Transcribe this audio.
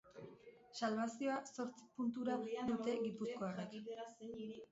Salbazioa zortzi puntura dute gipuzkoarrek.